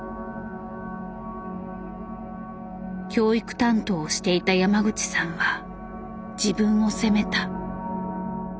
教育担当をしていた山口さんは自分を責めた。